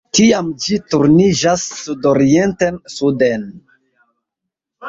Tiam ĝi turniĝas sudorienten-suden.